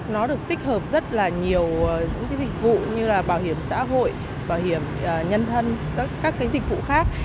nó được tích hợp rất là nhiều những dịch vụ như là bảo hiểm xã hội bảo hiểm nhân thân các cái dịch vụ khác